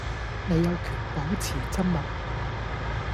你有權保持緘默